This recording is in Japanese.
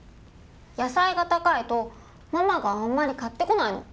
野菜が高いとママがあんまり買ってこないの。